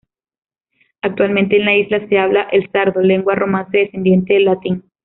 Actualmente en la isla se habla el sardo, lengua romance descendiente del latín.